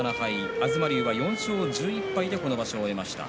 東龍は４勝１１敗でこの場所を終えました。